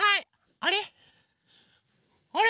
あれ？